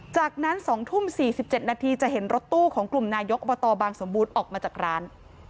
จากนั้น๒ทุ่ม๔๗นาทีจะเห็นรถตู้ของกลุ่มนายกอบตบางสมบูรณ์ออกมาจากร้าน